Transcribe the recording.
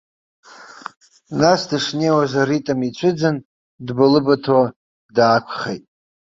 Нас дышнеиуаз, аритм ицәыӡын, дбалыбаҭо даақәхеит.